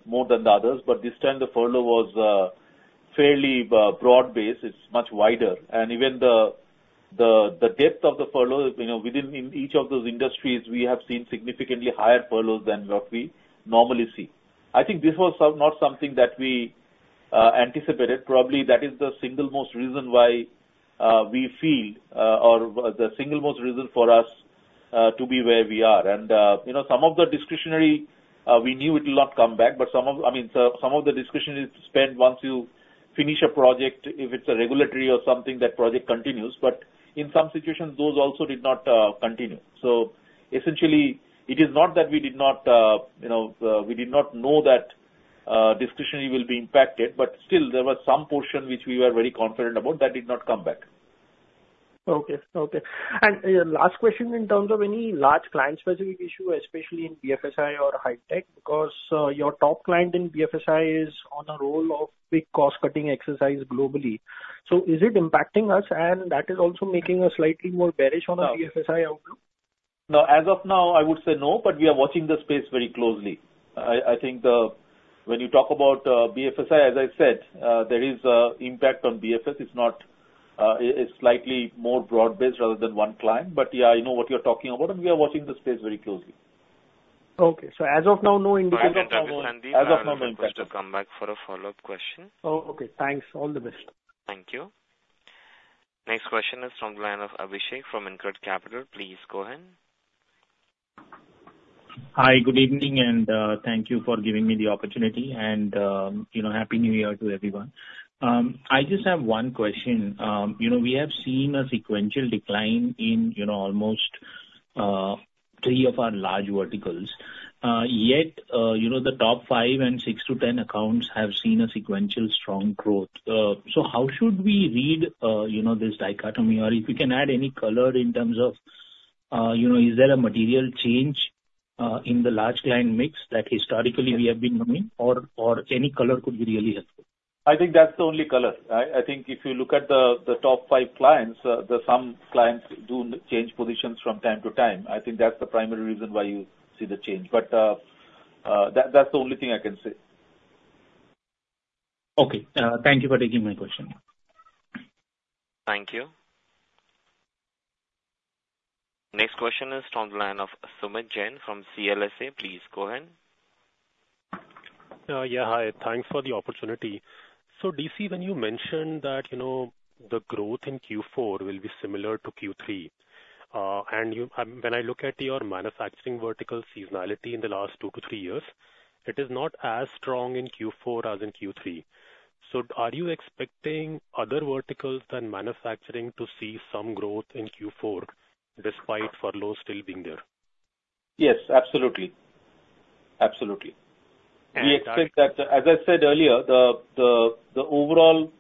more than the others, but this time the furlough was fairly broad-based. It's much wider. And even the, the, the depth of the furlough, you know, within each of those industries, we have seen significantly higher furloughs than what we normally see. I think this was not something that we anticipated. Probably that is the single most reason why we feel, or the single most reason for us to be where we are. And, you know, some of the discretionary, we knew it will not come back, but some of... I mean, so some of the discretionary spend, once you finish a project, if it's a regulatory or something, that project continues, but in some situations, those also did not continue. So essentially, it is not that we did not, you know, we did not know that discretionary will be impacted, but still there was some portion which we were very confident about that did not come back. Okay. Okay. And last question, in terms of any large client-specific issue, especially in BFSI or high tech, because your top client in BFSI is on a roll of big cost-cutting exercise globally. So is it impacting us, and that is also making us slightly more bearish on the BFSI outlook? No. As of now, I would say no, but we are watching the space very closely. I think the—when you talk about BFSI, as I said, there is impact on BFS. It's not; it's slightly more broad-based rather than one client. But yeah, I know what you're talking about, and we are watching the space very closely. Okay. So as of now, no indication- I will request you to come back for a follow-up question. Oh, okay. Thanks. All the best. Thank you. Next question is from the line of Abhishek from InCred Capital. Please go ahead. Hi, good evening, and, thank you for giving me the opportunity, and, you know, Happy New Year to everyone. I just have one question. You know, we have seen a sequential decline in, you know, almost, three of our large verticals. Yet, you know, the top five and six to 10 accounts have seen a sequential strong growth. So how should we read, you know, this dichotomy? Or if you can add any color in terms of, you know, is there a material change, in the large client mix that historically we have been knowing, or, or any color could be really helpful? I think that's the only color. I think if you look at the top five clients, then some clients do change positions from time to time. I think that's the primary reason why you see the change. But that's the only thing I can say. Okay. Thank you for taking my question. Thank you. Next question is from the line of Sumeet Jain from CLSA. Please go ahead. Yeah, hi. Thanks for the opportunity. So DC, when you mentioned that, you know, the growth in Q4 will be similar to Q3, and you... when I look at your manufacturing vertical seasonality in the last two to three years, it is not as strong in Q4 as in Q3. So are you expecting other verticals than manufacturing to see some growth in Q4, despite furloughs still being there? Yes, absolutely. Absolutely. And- We expect that, as I said earlier, the overall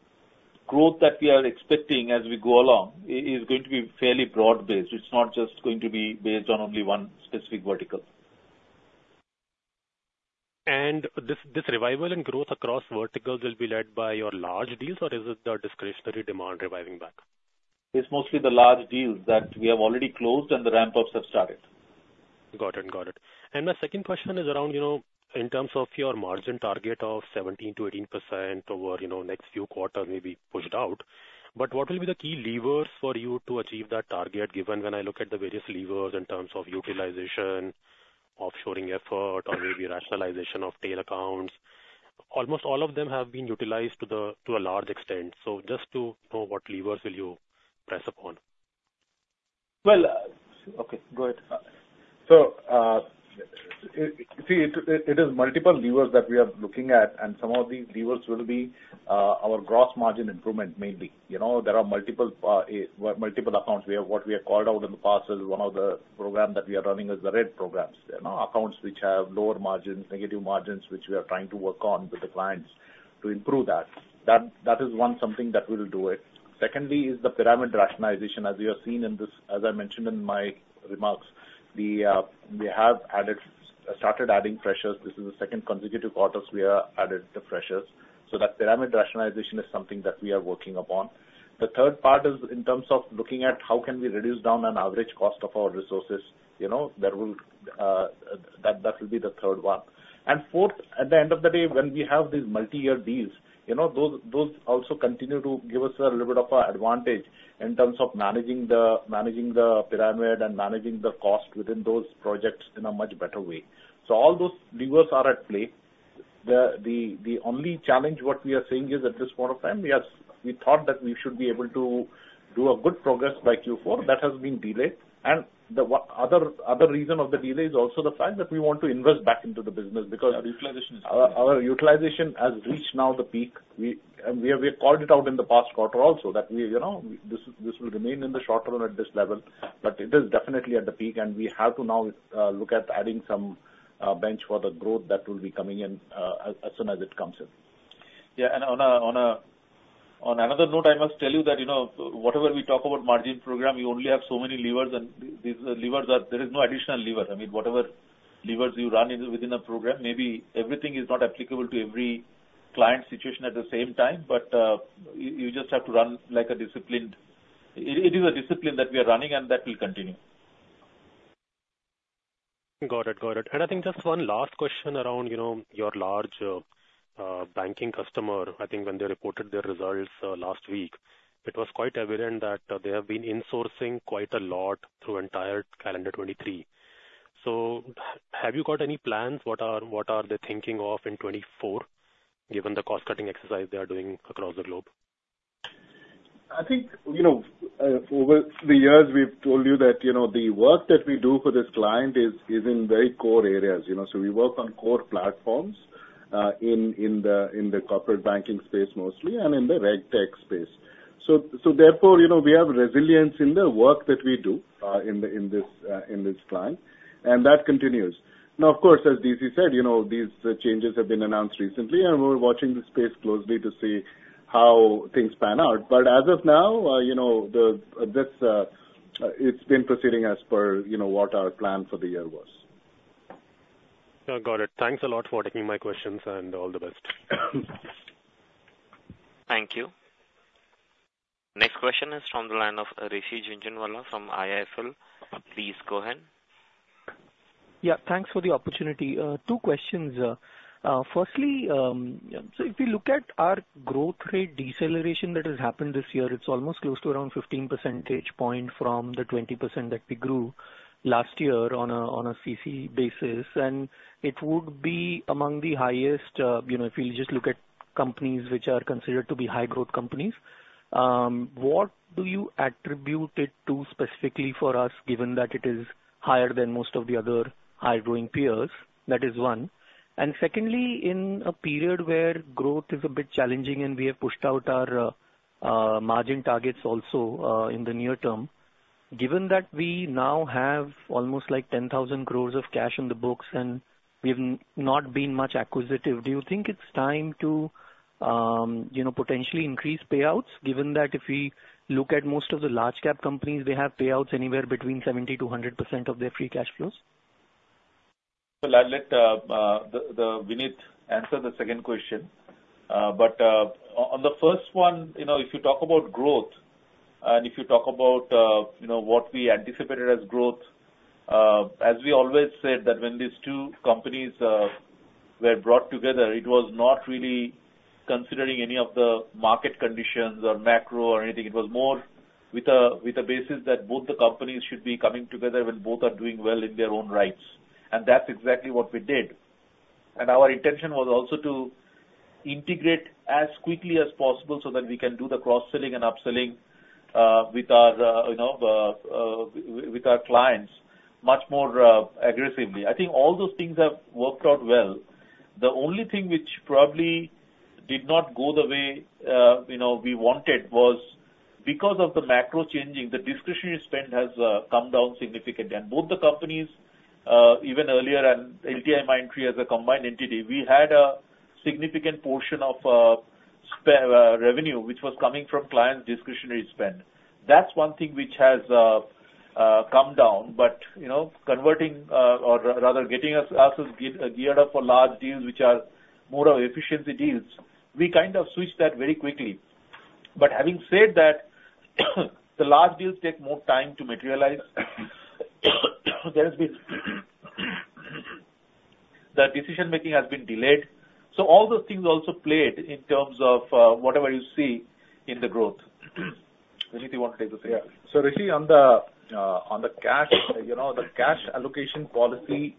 growth that we are expecting as we go along is going to be fairly broad-based. It's not just going to be based on only one specific vertical. This, this revival in growth across verticals will be led by your large deals, or is it the discretionary demand reviving back? It's mostly the large deals that we have already closed and the ramp-ups have started. Got it. Got it. And my second question is around, you know, in terms of your margin target of 17%-18% over, you know, next few quarters, may be pushed out. But what will be the key levers for you to achieve that target, given when I look at the various levers in terms of utilization, offshoring effort, or maybe rationalization of tail accounts? Almost all of them have been utilized to a large extent. So just to know, what levers will you press upon? Well, uh... Okay, go ahead. So, see, it is multiple levers that we are looking at, and some of these levers will be our gross margin improvement, mainly. You know, there are multiple accounts. We have what we have called out in the past as one of the program that we are running is the Red programs. You know, accounts which have lower margins, negative margins, which we are trying to work on with the clients to improve that. That is one something that we will do it. Secondly, is the pyramid rationalization. As you have seen in this, as I mentioned in my remarks, we have started adding freshers. This is the second consecutive quarters we are added the freshers, so that pyramid rationalization is something that we are working upon. The third part is in terms of looking at how can we reduce down on average cost of our resources, you know, that will be the third one. And fourth, at the end of the day, when we have these multi-year deals, you know, those also continue to give us a little bit of an advantage in terms of managing the pyramid and managing the cost within those projects in a much better way. So all those levers are at play. The only challenge, what we are saying is, at this point of time, we thought that we should be able to do a good progress by Q4. That has been delayed. The other reason of the delay is also the fact that we want to invest back into the business, because our utilization has reached now the peak. We and we have called it out in the past quarter also, that we, you know, this will remain in the short run at this level, but it is definitely at the peak, and we have to now look at adding some bench for the growth that will be coming in, as soon as it comes in. Yeah, and on another note, I must tell you that, you know, whatever we talk about margin program, you only have so many levers, and these levers are. There is no additional lever. I mean, whatever levers you run in, within a program, maybe everything is not applicable to every client situation at the same time, but you just have to run like a disciplined... It is a discipline that we are running, and that will continue. Got it. Got it. And I think just one last question around, you know, your large banking customer. I think when they reported their results last week, it was quite evident that they have been insourcing quite a lot through entire calendar 2023. So have you got any plans? What are they thinking of in 2024, given the cost-cutting exercise they are doing across the globe? I think, you know, over the years, we've told you that, you know, the work that we do for this client is, is in very core areas, you know. So we work on core platforms, in the corporate banking space mostly, and in the RegTech space. So therefore, you know, we have resilience in the work that we do, in this client, and that continues. Now, of course, as DC said, you know, these changes have been announced recently, and we're watching the space closely to see how things pan out. But as of now, you know, this, it's been proceeding as per, you know, what our plan for the year was. Got it. Thanks a lot for taking my questions, and all the best. Thank you. Next question is from the line of Rishi Jhunjhunwala from IIFL. Please go ahead. Yeah, thanks for the opportunity. Two questions. Firstly, so if we look at our growth rate deceleration that has happened this year, it's almost close to around 15 percentage point from the 20% that we grew last year on a CC basis, and it would be among the highest, you know, if you just look at companies which are considered to be high-growth companies. What do you attribute it to specifically for us, given that it is higher than most of the other high-growing peers? That is one. Secondly, in a period where growth is a bit challenging and we have pushed out our margin targets also in the near term, given that we now have almost like 10,000 crore of cash on the books and we've not been much acquisitive, do you think it's time to, you know, potentially increase payouts, given that if we look at most of the large cap companies, they have payouts anywhere between 70%-100% of their free cash flows? Well, I'll let the Vinit answer the second question. But on the first one, you know, if you talk about growth and if you talk about, you know, what we anticipated as growth, as we always said, that when these two companies were brought together, it was not really considering any of the market conditions or macro or anything. It was more with a basis that both the companies should be coming together when both are doing well in their own rights. And that's exactly what we did. And our intention was also to integrate as quickly as possible so that we can do the cross-selling and up-selling with our, you know, with our clients much more aggressively. I think all those things have worked out well. The only thing which probably did not go the way you know we wanted was because of the macro changing, the discretionary spend has come down significantly. Both the companies even earlier and LTIMindtree as a combined entity, we had a significant portion of spare revenue, which was coming from clients' discretionary spend. That's one thing which has come down, but you know converting or rather getting ourselves geared up for large deals, which are more of efficiency deals, we kind of switched that very quickly. But having said that, the large deals take more time to materialize. There has been... The decision-making has been delayed. So all those things also played in terms of whatever you see in the growth. Vinit, you want to take this again? Yeah. So Rishi, on the cash, you know, the cash allocation policy,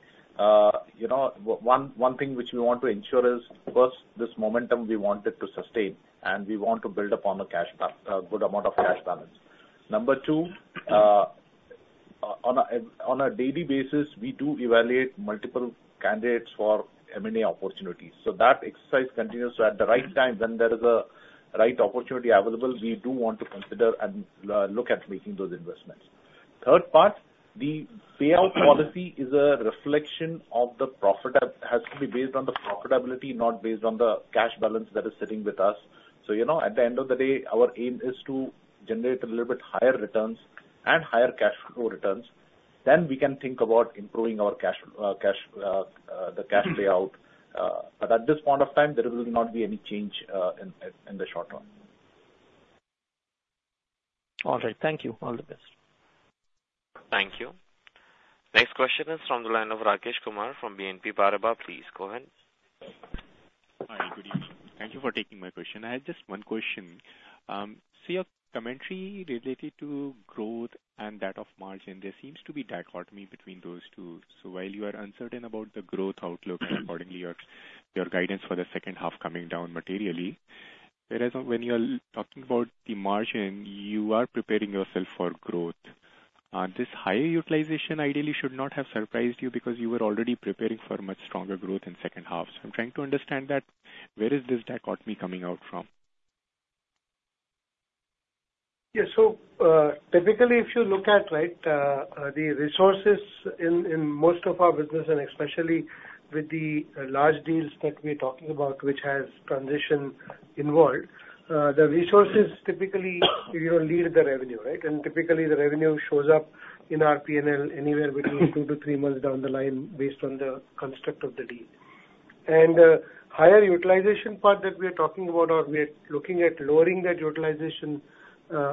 you know, one thing which we want to ensure is, first, this momentum, we want it to sustain, and we want to build upon the cash, good amount of cash balance. Number two, on a daily basis, we do evaluate multiple candidates for M&A opportunities, so that exercise continues. So at the right time, when there is a right opportunity available, we do want to consider and look at making those investments. Third part, the payout policy is a reflection of the profit. Has to be based on the profitability, not based on the cash balance that is sitting with us. So, you know, at the end of the day, our aim is to generate a little bit higher returns.... and higher cash flow returns, then we can think about improving our cash, the cash payout. But at this point of time, there will not be any change in the short term. All right. Thank you. All the best. Thank you. Next question is from the line of Rakesh Kumar from BNP Paribas. Please go ahead. Hi, good evening. Thank you for taking my question. I have just one question. So your commentary related to growth and that of margin, there seems to be dichotomy between those two. So while you are uncertain about the growth outlook and accordingly, your, your guidance for the second half coming down materially, whereas when you are talking about the margin, you are preparing yourself for growth. This higher utilization ideally should not have surprised you, because you were already preparing for much stronger growth in second half. So I'm trying to understand that. Where is this dichotomy coming out from? Yeah. So, typically, if you look at, right, the resources in, in most of our business, and especially with the large deals that we're talking about, which has transition involved, the resources typically, you know, lead the revenue, right? And typically, the revenue shows up in our PNL anywhere between two to three months down the line, based on the construct of the deal. And, higher utilization part that we are talking about or we're looking at lowering that utilization,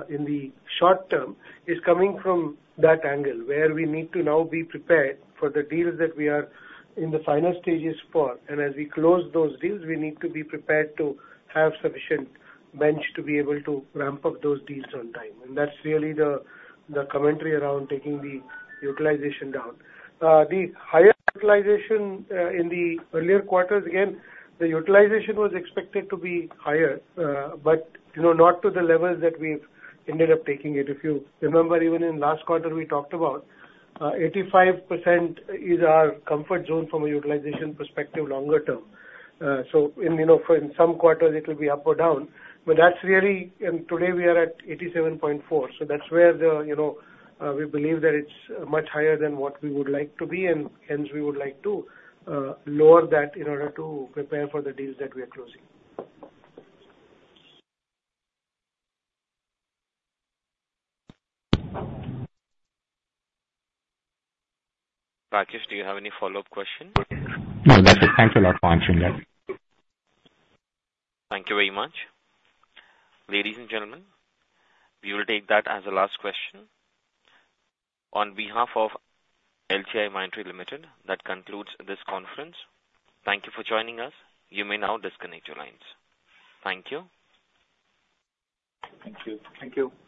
in the short term, is coming from that angle, where we need to now be prepared for the deals that we are in the final stages for. And as we close those deals, we need to be prepared to have sufficient bench to be able to ramp up those deals on time. And that's really the commentary around taking the utilization down. The higher utilization in the earlier quarters, again, the utilization was expected to be higher, but you know, not to the levels that we've ended up taking it. If you remember, even in last quarter, we talked about 85% is our comfort zone from a utilization perspective, longer term. So in, you know, for in some quarters it will be up or down, but that's really... Today, we are at 87.4%. So that's where the, you know, we believe that it's much higher than what we would like to be, and hence we would like to lower that in order to prepare for the deals that we are closing. Rakesh, do you have any follow-up question? No, that's it. Thanks a lot for answering that. Thank you very much. Ladies and gentlemen, we will take that as a last question. On behalf of LTIMindtree Limited, that concludes this conference. Thank you for joining us. You may now disconnect your lines. Thank you. Thank you. Thank you.